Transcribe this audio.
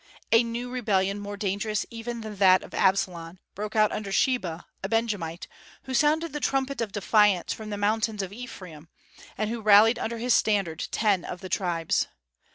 A new rebellion more dangerous even than that of Absalom broke out under Sheba, a Benjamite, who sounded the trumpet of defiance from the mountains of Ephraim, and who rallied under his standard ten of the tribes.